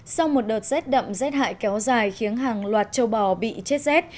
sau một đợt rét đậm rét hại kéo dài khiến hàng loạt châu bò bị chết rét